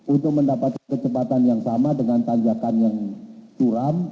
untuk mendapatkan kecepatan yang sama dengan tanjakan yang curam